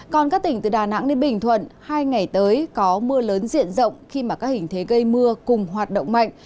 còn các tỉnh từ đà nẵng đến bình thuận hai ngày tới có mưa lớn diện rộng khi mà các hình thế gây mưa cùng hoạt động mạnh